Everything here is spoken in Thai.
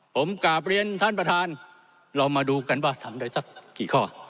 ผมกราบเรียนท่านประธานเรามาดูกันว่าทำได้สักกี่ข้อ